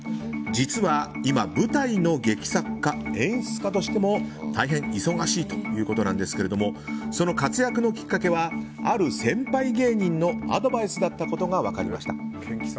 実は、今舞台の劇作家・演出家としても大変忙しいということなんですけどもその活躍のきっかけはある先輩芸人のアドバイスだったことが分かりました。